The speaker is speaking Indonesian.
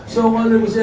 semua ini bisa